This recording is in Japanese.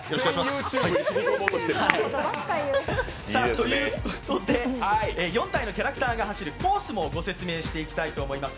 ということで、４体のキャラクターが走るコースもご説明していきたいと思います。